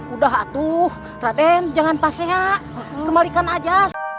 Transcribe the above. udah atuh raden jangan paseak kembalikan aja